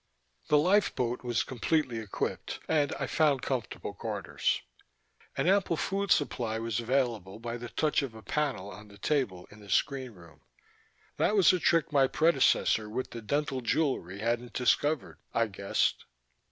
The lifeboat was completely equipped, and I found comfortable quarters. An ample food supply was available by the touch of a panel on the table in the screen room. That was a trick my predecessor with the dental jewelery hadn't discovered, I guessed.